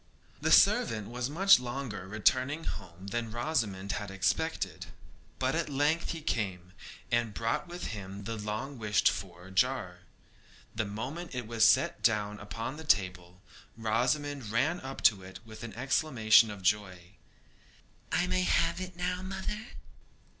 The servant was much longer returning home than Rosamond had expected; but at length he came, and brought with him the long wished for jar. The moment it was set down upon the table, Rosamond ran up to it with an exclamation of joy. 'I may have it now, mother?'